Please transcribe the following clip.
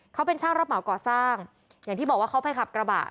เขาเป็นช่างรับเหมาก่อสร้างอย่างที่บอกว่าเขาไปขับกระบะ